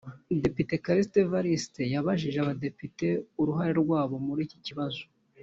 Depite Kalisa Evaliste yabajije aba badepite uruhare rwabo muri iki kibazo